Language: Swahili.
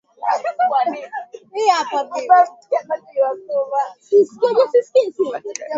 na anur amesema maafisa waliojitambulisha kuwa wanatoka katika kitengo cha usalama cha nchi hiyo